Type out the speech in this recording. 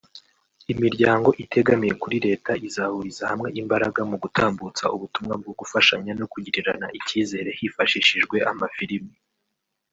imiryango itegamiye kuri Leta; izahuriza hamwe imbaraga mu gutambutsa ubutumwa bwo gufashanya no kugirirana icyizere; hifashishijwe amafilimi